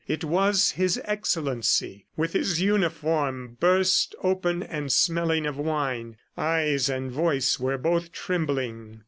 It was His Excellency, with his uniform burst open and smelling of wine. Eyes and voice were both trembling.